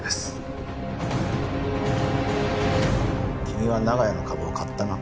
君は長屋の株を買ったな？